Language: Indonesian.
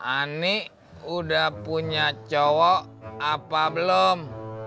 ani udah punya cowok apa belum